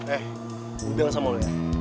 eh lu jangan sama lu ya